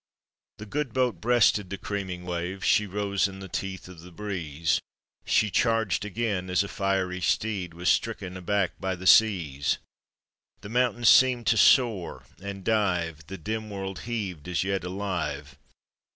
The good boat breasted the creaming waves, She rose in the teeth of the breeze, She charged again as a fiery fteed When stricken aback by the seas. The mountains seemed to soar and dive; The dim world heaved as yet alive.